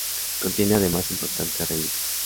Contiene además importantes reliquias.